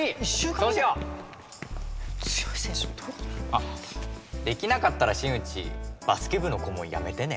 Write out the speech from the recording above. あっできなかったら新内バスケ部の顧問やめてね。